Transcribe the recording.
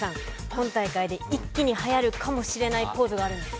今大会で一気にはやるかもしれないポーズがあるんです。